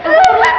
lu kenapa kak